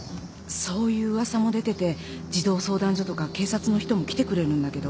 そういう噂も出てて児童相談所とか警察の人も来てくれるんだけど。